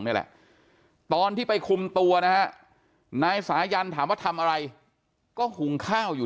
นี่แหละตอนที่ไปคุมตัวนะฮะนายสายันถามว่าทำอะไรก็หุงข้าวอยู่